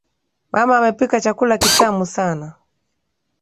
Mama amepika chakula kitamu sana.